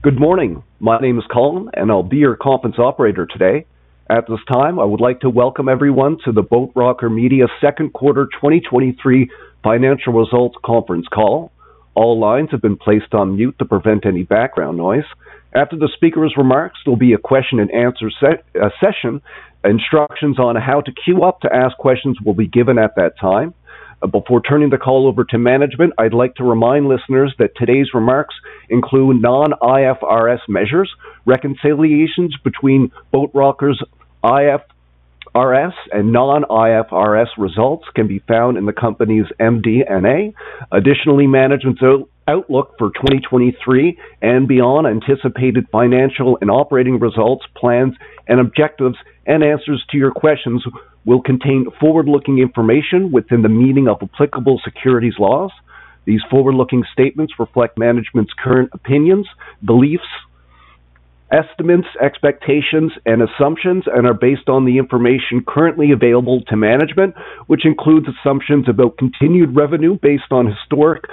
Good morning. My name is Colin, I'll be your conference operator today. At this time, I would like to welcome everyone to the Boat Rocker Media Second Quarter 2023 Financial Results Conference Call. All lines have been placed on mute to prevent any background noise. After the speaker's remarks, there'll be a question and answer session. Instructions on how to queue up to ask questions will be given at that time. Before turning the call over to management, I'd like to remind listeners that today's remarks include non-IFRS measures. Reconciliations between Boat Rocker's IFRS and non-IFRS results can be found in the company's MD&A. Management's outlook for 2023 and beyond, anticipated financial and operating results, plans and objectives, and answers to your questions will contain forward-looking information within the meaning of applicable securities laws. These forward-looking statements reflect management's current opinions, beliefs, estimates, expectations, and assumptions, and are based on the information currently available to management, which includes assumptions about continued revenue based on historic,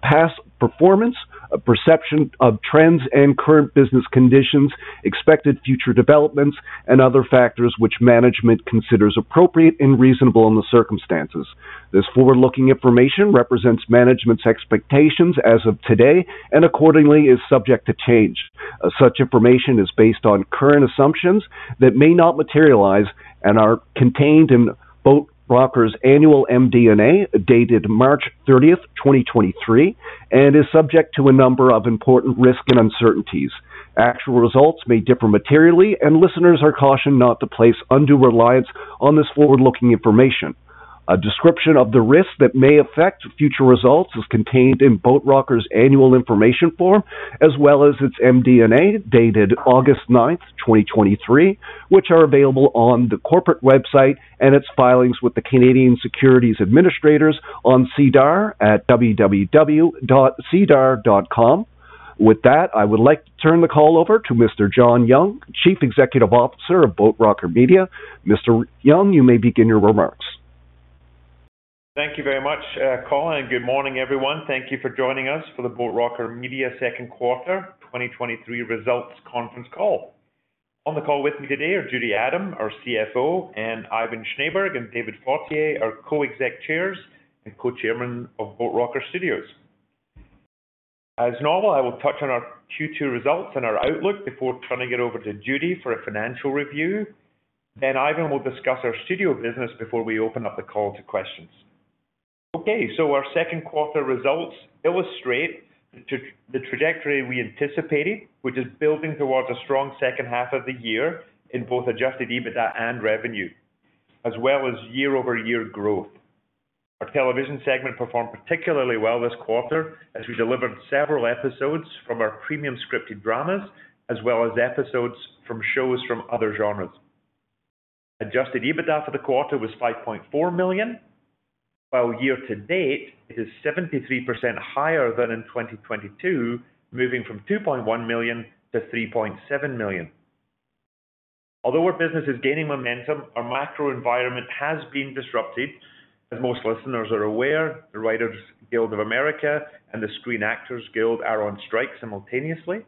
past performance, a perception of trends and current business conditions, expected future developments, and other factors which management considers appropriate and reasonable in the circumstances. This forward-looking information represents management's expectations as of today, and accordingly, is subject to change. Such information is based on current assumptions that may not materialize and are contained in Boat Rocker's annual MD&A, dated March 30th, 2023, and is subject to a number of important risks and uncertainties. Actual results may differ materially, and listeners are cautioned not to place undue reliance on this forward-looking information. A description of the risks that may affect future results is contained in Boat Rocker's annual information form, as well as its MD&A, dated August 9, 2023, which are available on the corporate website and its filings with the Canadian Securities Administrators on SEDAR at www.sedar.com. With that, I would like to turn the call over to Mr. JohnYoung, you may begin your remarks. Thank you very much, Colin, good morning, everyone. Thank you for joining us for the Boat Rocker Media Second Quarter 2023 Results Conference Call. On the call with me today are Judy Adam, our CFO, and Ivan Schneeberg and David Fortier, our Co-Exec Chairs and Co-Chairman of Boat Rocker Studios. As normal, I will touch on our Q2 results and our outlook before turning it over to Judy for a financial review. Ivan will discuss our studio business before we open up the call to questions. Our second quarter results illustrate the trajectory I anticipated, which is building towards a strong second half of the year in both Adjusted EBITDA and revenue, as well as year-over-year growth. Our television segment performed particularly well this quarter as we delivered several episodes from our premium scripted dramas, as well as episodes from shows from other genres. Adjusted EBITDA for the quarter was $5.4 million, while year to date, it is 73% higher than in 2022, moving from $2.1 million to $3.7 million. Although our business is gaining momentum, our macro environment has been disrupted. As most listeners are aware, the Writers Guild of America and the Screen Actors Guild are on strike simultaneously.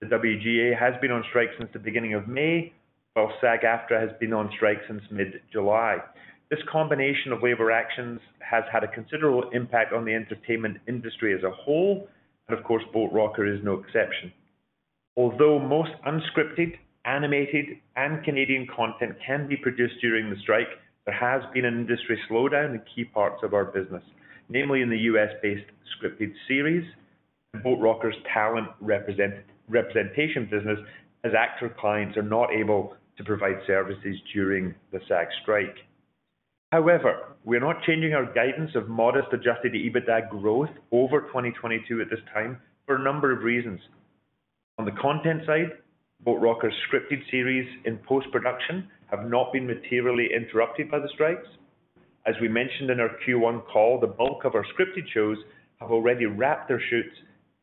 The WGA has been on strike since the beginning of May, while SAG-AFTRA has been on strike since mid-July. This combination of labor actions has had a considerable impact on the entertainment industry as a whole, and of course, Boat Rocker is no exception. Although most unscripted, animated, and Canadian content can be produced during the strike, there has been an industry slowdown in key parts of our business, namely in the US-based scripted series and Boat Rocker's talent representation business, as actor clients are not able to provide services during the SAG strike. However, we are not changing our guidance of modest Adjusted EBITDA growth over 2022 at this time for a number of reasons. On the content side, Boat Rocker's scripted series in post-production have not been materially interrupted by the strikes. As we mentioned in our Q1 call, the bulk of our scripted shows have already wrapped their shoots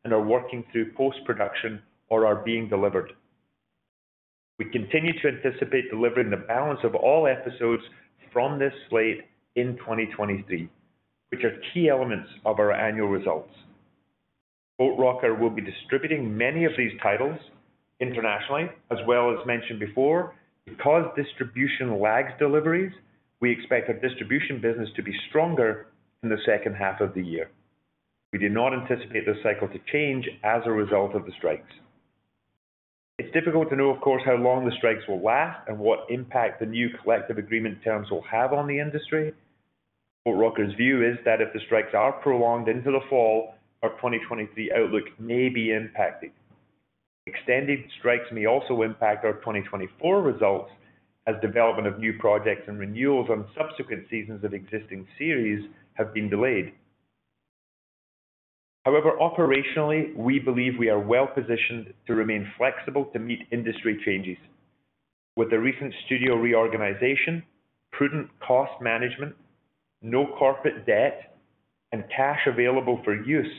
and are working through post-production or are being delivered. We continue to anticipate delivering the balance of all episodes from this slate in 2023, which are key elements of our annual results. Boat Rocker will be distributing many of these titles internationally, as well as mentioned before. Because distribution lags deliveries, we expect our distribution business to be stronger in the second half of the year. We do not anticipate this cycle to change as a result of the strikes. It's difficult to know, of course, how long the strikes will last and what impact the new collective agreement terms will have on the industry. Boat Rocker's view is that if the strikes are prolonged into the fall, our 2023 outlook may be impacted. Extended strikes may also impact our 2024 results as development of new projects and renewals on subsequent seasons of existing series have been delayed. However, operationally, we believe we are well positioned to remain flexible to meet industry changes. With the recent studio reorganization, prudent cost management, no corporate debt, and Cash Available for Use,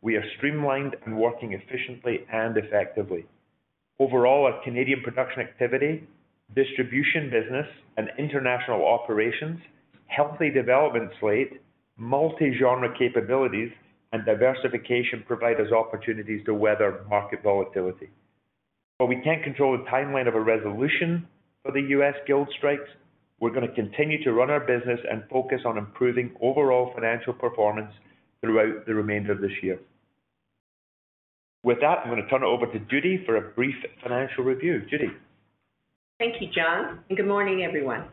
we are streamlined and working efficiently and effectively. Overall, our Canadian production activity, distribution business, and international operations, healthy development slate, multi-genre capabilities, and diversification provide us opportunities to weather market volatility. While we can't control the timeline of a resolution for the U.S. guild strikes, we're going to continue to run our business and focus on improving overall financial performance throughout the remainder of this year. With that, I'm going to turn it over to Judy for a brief financial review. Judy? Thank you, John. Good morning, everyone.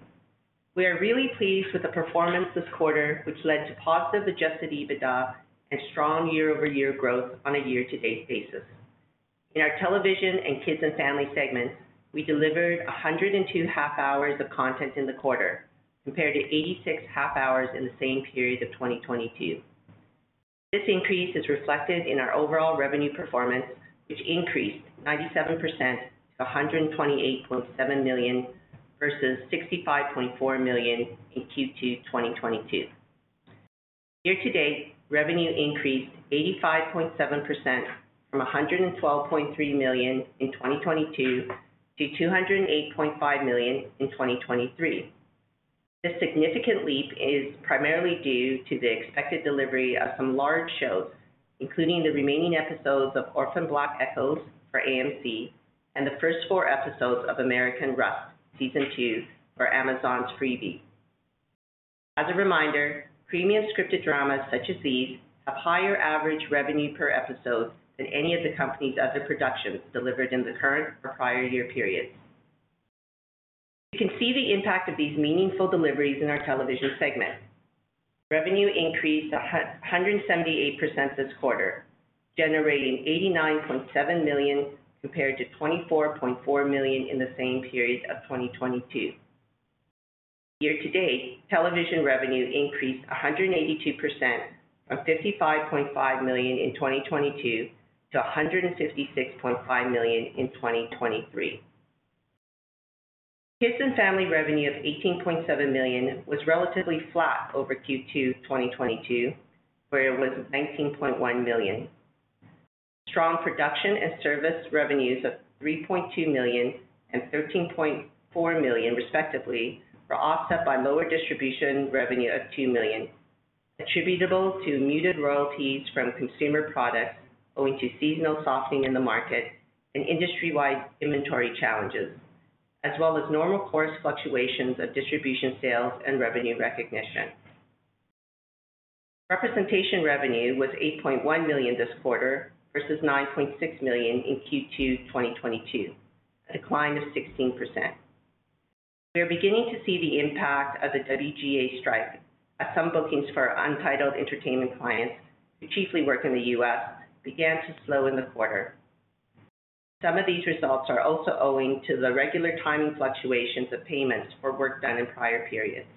We are really pleased with the performance this quarter, which led to positive Adjusted EBITDA and strong year-over-year growth on a year-to-date basis. In our Television and Kids and Family segments, we delivered 102 half-hours of content in the quarter, compared to 86 half-hours in the same period of 2022. This increase is reflected in our overall revenue performance, which increased 97% to $128.7 million versus $65.4 million in Q2, 2022. Year to date, revenue increased 85.7% from $112.3 million in 2022 to $208.5 million in 2023. This significant leap is primarily due to the expected delivery of some large shows, including the remaining episodes of Orphan Black: Echoes for AMC and the first four episodes of American Rust, Season 2 for Amazon's Freevee. As a reminder, premium scripted dramas such as these have higher average revenue per episode than any of the company's other productions delivered in the current or prior year periods. You can see the impact of these meaningful deliveries in our television segment. Revenue increased 178% this quarter, generating $89.7 million, compared to $24.4 million in the same period of 2022. Year-to-date, television revenue increased 182% from $55.5 million in 2022 to $156.5 million in 2023. Kids and Family revenue of $18.7 million was relatively flat over Q2 2022, where it was $19.1 million. Strong production and service revenues of $3.2 million and $13.4 million, respectively, were offset by lower distribution revenue of $2 million, attributable to muted royalties from consumer products owing to seasonal softening in the market and industry-wide inventory challenges, as well as normal course fluctuations of distribution sales and revenue recognition. Representation revenue was $8.1 million this quarter, versus $9.6 million in Q2 2022, a decline of 16%. We are beginning to see the impact of the WGA strike, as some bookings for our Untitled Entertainment clients, who chiefly work in the U.S., began to slow in the quarter. Some of these results are also owing to the regular timing fluctuations of payments for work done in prior periods.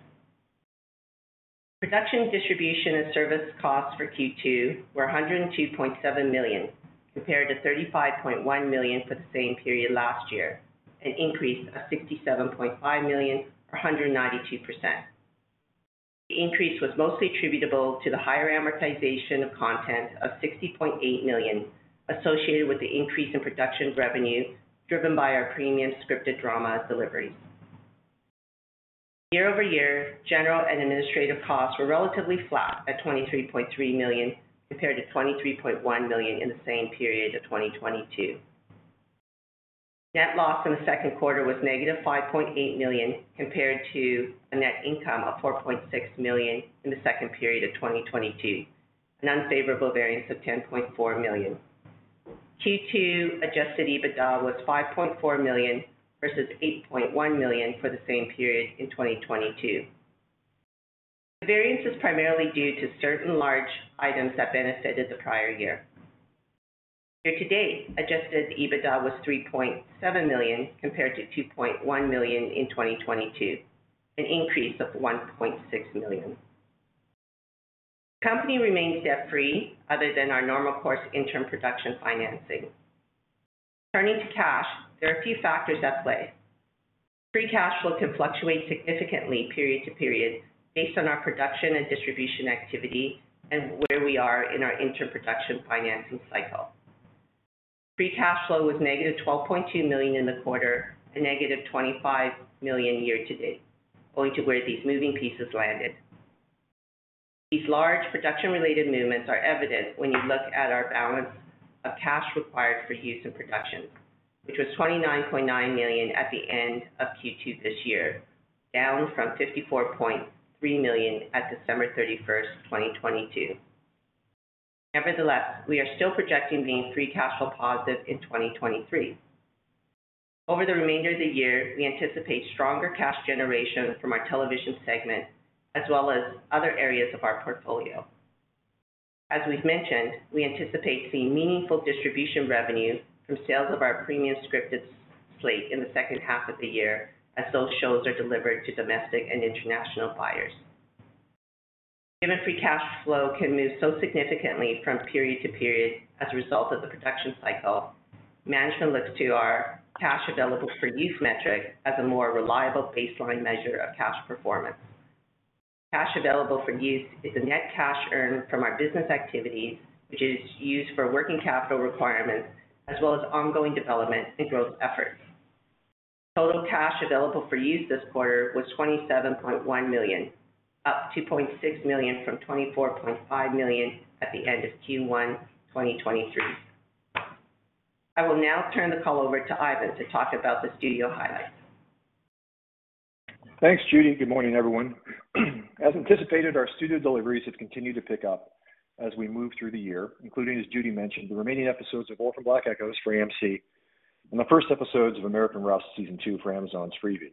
Production, distribution, and service costs for Q2 were $102.7 million, compared to $35.1 million for the same period last year, an increase of $67.5 million or 192%. The increase was mostly attributable to the higher amortization of content of $60.8 million associated with the increase in production revenue, driven by our premium scripted drama deliveries. Year-over-year, general and administrative costs were relatively flat at $23.3 million, compared to $23.1 million in the same period of 2022. Net loss in the second quarter was -$5.8 million, compared to a net income of $4.6 million in the second period of 2022, an unfavorable variance of $10.4 million. Q2 Adjusted EBITDA was $5.4 million versus $8.1 million for the same period in 2022. The variance is primarily due to certain large items that benefited the prior year. Year to date, Adjusted EBITDA was $3.7 million, compared to $2.1 million in 2022, an increase of $1.6 million. The company remains debt-free other than our normal course interim production financing. Turning to cash, there are a few factors at play. Free Cash Flow can fluctuate significantly period to period based on our production and distribution activity and where we are in our interim production financing cycle. Free cash flow was negative 12.2 million in the quarter, a negative 25 million year to date, owing to where these moving pieces landed. These large production-related movements are evident when you look at our balance of cash required for use in production, which was 29.9 million at the end of Q2 this year, down from 54.3 million at December 31, 2022. Nevertheless, we are still projecting being free cash flow positive in 2023. Over the remainder of the year, we anticipate stronger cash generation from our television segment, as well as other areas of our portfolio. As we've mentioned, we anticipate seeing meaningful distribution revenue from sales of our premium scripted slate in the second half of the year as those shows are delivered to domestic and international buyers. Given Free Cash Flow can move so significantly from period to period as a result of the production cycle, management looks to our Cash Available for Use metric as a more reliable baseline measure of cash performance. Cash Available for Use is the net cash earned from our business activities, which is used for working capital requirements as well as ongoing development and growth efforts. Total Cash Available for Use this quarter was 27.1 million, up 2.6 million from 24.5 million at the end of Q1 2023. I will now turn the call over to Ivan to talk about the studio highlights. Thanks, Judy. Good morning, everyone. As anticipated, our studio deliveries have continued to pick up as we move through the year, including, as Judy mentioned, the remaining episodes of Orphan Black: Echoes for AMC and the first episodes of American Rust Season 2 for Amazon's Freevee.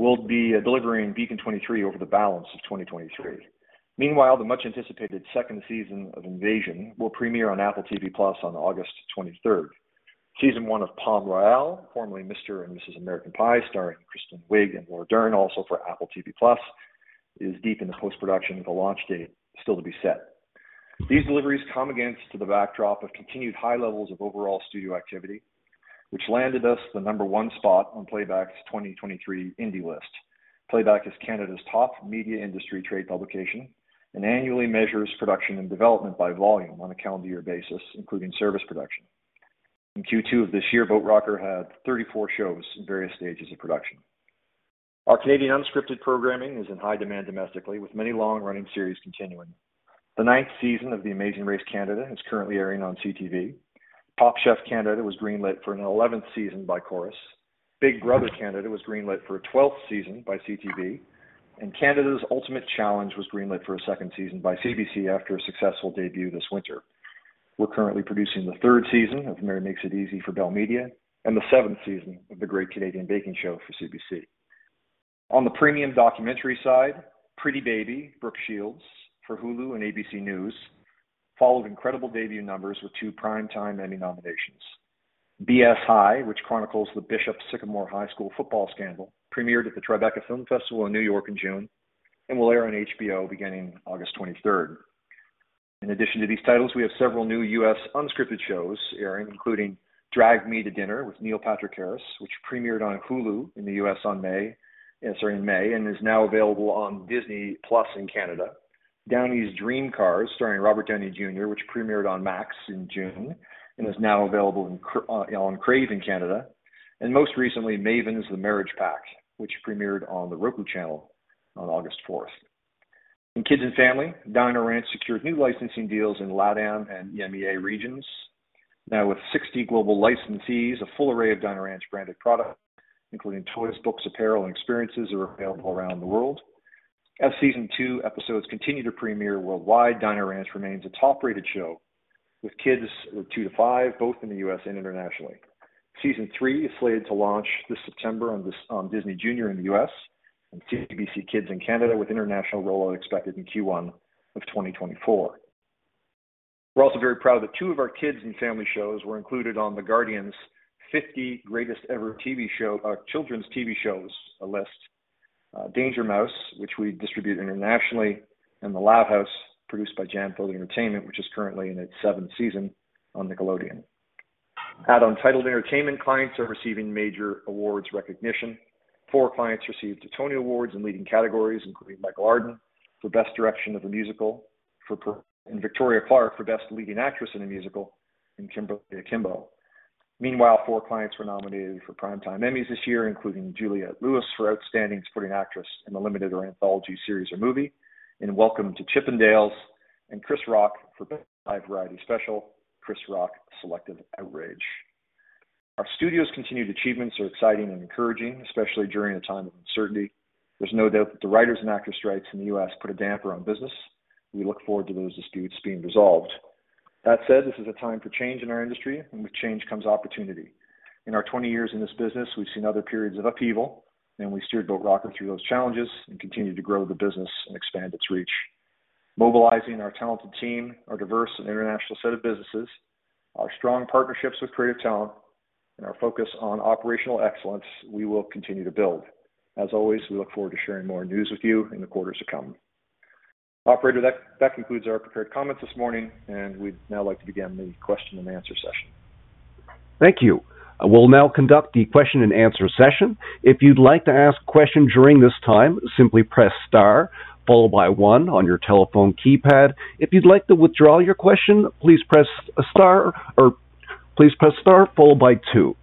We'll be delivering Beacon 23 over the balance of 2023. Meanwhile, the much-anticipated second season of Invasion will premiere on Apple TV+ on August 23rd. Season 1 of Palm Royale, formerly Mr. and Mrs. American Pie, starring Kristen Wiig and Laura Dern, also for Apple TV+, is deep in the post-production with a launch date still to be set. These deliveries come against to the backdrop of continued high levels of overall studio activity, which landed us the number 1 spot on Playback's 2023 Indie List. Playback is Canada's top media industry trade publication and annually measures production and development by volume on a calendar year basis, including service production. In Q2 of this year, Boat Rocker had 34 shows in various stages of production. Our Canadian unscripted programming is in high demand domestically, with many long-running series continuing. The 9th season of The Amazing Race Canada is currently airing on CTV. Top Chef Canada was greenlit for an 11th season by Corus. Big Brother Canada was greenlit for a 12th season by CTV, Canada's Ultimate Challenge was greenlit for a 2nd season by CBC after a successful debut this winter. We're currently producing the 3rd season of Mary Makes It Easy for Bell Media and the 7th season of The Great Canadian Baking Show for CBC. On the premium documentary side, Pretty Baby: Brooke Shields for Hulu and ABC News, followed incredible debut numbers with two Primetime Emmy nominations. BS High, which chronicles the Bishop Sycamore High School football scandal, premiered at the Tribeca Film Festival in New York in June and will air on HBO beginning August 23rd. In addition to these titles, we have several new U.S. unscripted shows airing, including Drag Me to Dinner with Neil Patrick Harris, which premiered on Hulu in the U.S. on May, airing in May, and is now available on Disney+ in Canada. Downey's Dream Cars, starring Robert Downey Jr., which premiered on Max in June and is now available on Crave in Canada, and most recently, Maven's The Marriage Pact, which premiered on The Roku Channel on August 4th. In Kids and Family, Dino Ranch secured new licensing deals in LATAM and EMEA regions. Now with 60 global licensees, a full array of Dino Ranch branded products, including toys, books, apparel, and experiences, are available around the world. As Season two episodes continue to premiere worldwide, Dino Ranch remains a top-rated show with kids two to five, both in the US and internationally. Season three is slated to launch this September on Disney Junior in the US and CBC Kids in Canada, with international rollout expected in Q1 of 2024. We're also very proud that two of our kids and family shows were included on The Guardian's 50 Greatest Ever TV Show, Children's TV Shows list. Danger Mouse, which we distribute internationally, and The Loud House, produced by Jam Filled Entertainment, which is currently in its seventh season on Nickelodeon. Untitled Entertainment clients are receiving major awards recognition. Four clients received Tony Awards in leading categories, including Michael Arden for Best Direction of a Musical and Victoria Clark for Best Leading Actress in a Musical in Kimberly Akimbo. Meanwhile, four clients were nominated for Primetime Emmys this year, including Juliette Lewis for Outstanding Supporting Actress in a Limited or Anthology Series or Movie, and Welcome to Chippendales and Chris Rock for Best Live Variety Special, Chris Rock: Selective Outrage. Our studio's continued achievements are exciting and encouraging, especially during a time of uncertainty. There's no doubt that the writers and actors strikes in the U.S. put a damper on business. We look forward to those disputes being resolved. That said, this is a time for change in our industry, and with change comes opportunity. In our 20 years in this business, we've seen other periods of upheaval. We steered Boat Rocker through those challenges and continued to grow the business and expand its reach. Mobilizing our talented team, our diverse and international set of businesses, our strong partnerships with creative talent, and our focus on operational excellence, we will continue to build. As always, we look forward to sharing more news with you in the quarters to come. Operator, that concludes our prepared comments this morning. We'd now like to begin the question and answer session. Thank you. I will now conduct the question and answer session. If you'd like to ask questions during this time, simply press Star followed by 1 on your telephone keypad. If you'd like to withdraw your question, please press Star or please press Star followed by 2.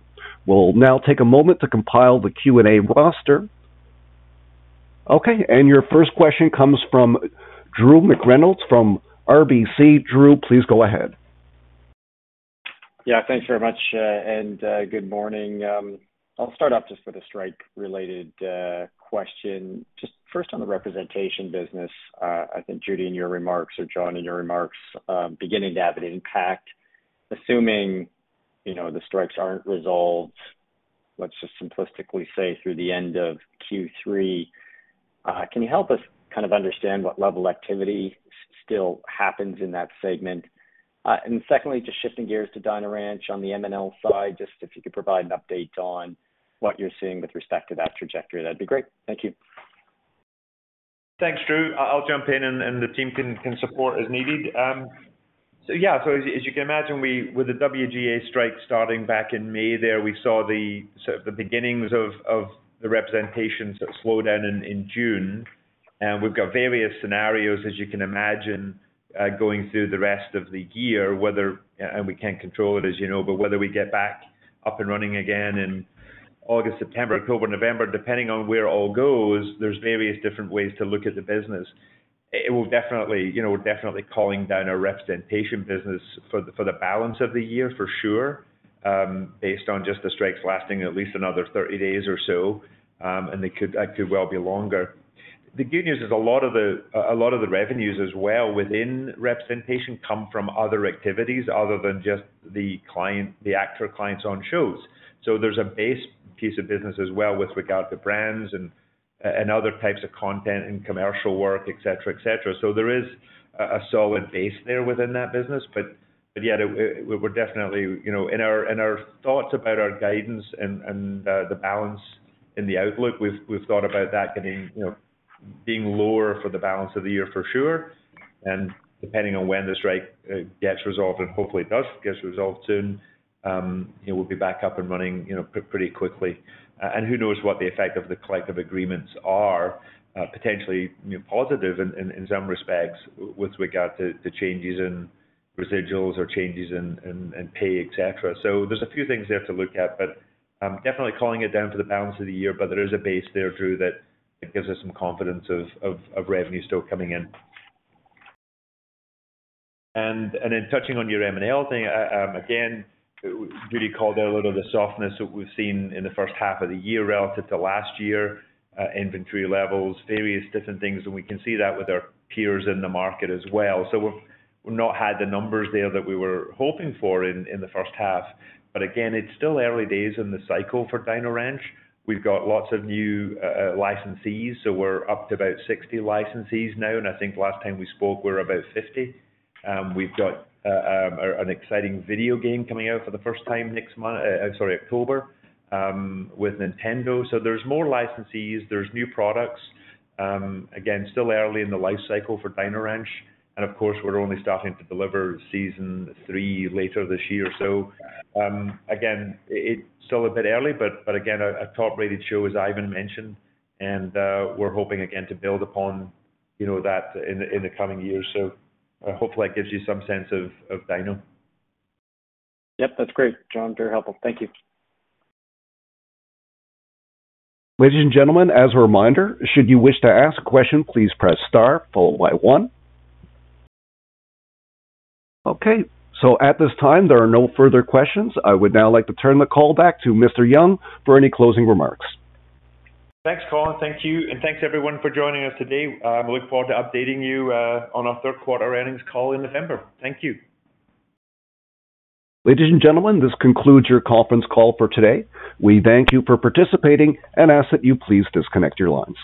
We'll now take a moment to compile the Q&A roster. Okay, your first question comes from Drew McReynolds from RBC. Drew, please go ahead. Yeah, thanks very much, good morning. I'll start off just with a strike-related question. Just first on the representation business, I think, Judy, in your remarks, or John, in your remarks, beginning to have an impact. Assuming the strikes aren't resolved, let's just simplistically say, through the end of Q3, can you help us kind of understand what level activity still happens in that segment? Secondly, just shifting gears to Dino Ranch on the M&L side, just if you could provide an update on what you're seeing with respect to that trajectory, that'd be great. Thank you. Thanks, Drew. I'll jump in and the team can support as needed. Yeah, so as, as you can imagine, we, with the WGA strike starting back in May there, we saw the, sort of the beginnings of, of the representations that slowed down in, in June. We've got various scenarios, as you can imagine, going through the rest of the year, whether, and we can't control it, as you know, but whether we get back up and running again in August, September, October, November. Depending on where all goes, there's various different ways to look at the business. It will definitely, you know, we're definitely calling down our representation business for the, for the balance of the year, for sure, based on just the strikes lasting at least another 30 days or so. They could, could well be longer. The good news is a lot of the, a lot of the revenues as well within representation come from other activities other than just the client, the actor clients on shows. There's a base piece of business as well with regard to brands and other types of content and commercial work, et cetera, et cetera. There is a, a solid base there within that business. But yet, we're definitely, you know, in our thoughts about our guidance and the balance in the outlook, we've thought about that getting, you know, being lower for the balance of the year, for sure. Depending on when the strike gets resolved, and hopefully it does gets resolved soon, you know, we'll be back up and running, you know, pretty quickly. Who knows what the effect of the collective agreements are, potentially, you know, positive in some respects with regard to changes in residuals or changes in pay, et cetera. There's a few things we have to look at, but I'm definitely calling it down for the balance of the year. There is a base there, Drew, that it gives us some confidence of revenue still coming in. Then touching on your M&L thing, again, Judy called out a little of the softness that we've seen in the first half of the year relative to last year, inventory levels, various different things, and we can see that with our peers in the market as well. We've, we've not had the numbers there that we were hoping for in the H1. Again, it's still early days in the cycle for Dino Ranch. We've got lots of new licensees, so we're up to about 60 licensees now, and I think last time we spoke, we were about 50. We've got an exciting video game coming out for the first time next month, sorry, October, with Nintendo. There's more licensees, there's new products. Again, still early in the life cycle for Dino Ranch. Of course, we're only starting to deliver season 3 later this year. Again, it's still a bit early, but again, a top-rated show, as Ivan mentioned, and we're hoping again to build upon, you know, that in the coming years. Hopefully that gives you some sense of Dino. Yep, that's great, John. Very helpful. Thank you. Ladies and gentlemen, as a reminder, should you wish to ask a question, please press star followed by one. Okay, at this time, there are no further questions. I would now like to turn the call back to Mr. Young for any closing remarks. Thanks, Colin. Thank you, and thanks, everyone, for joining us today. We look forward to updating you, on our third quarter earnings call in November. Thank you. Ladies and gentlemen, this concludes your conference call for today. We thank you for participating and ask that you please disconnect your lines.